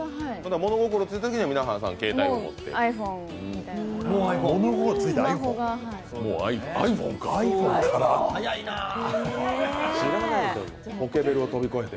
物心ついたころには、皆さん携帯持ってて。